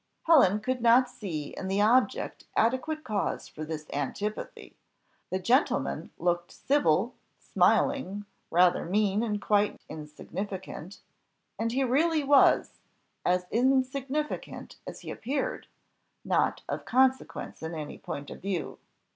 Helen could not see in the object adequate cause for this antipathy: the gentleman looked civil, smiling, rather mean, and quite insignificant, and he really was as insignificant as he appeared not of consequence in any point of view.